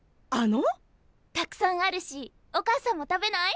たくさんあるしお母さんも食べない？